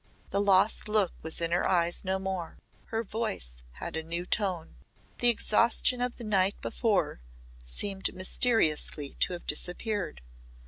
The lost look was in her eyes no more, her voice had a new tone. The exhaustion of the night before seemed mysteriously to have disappeared.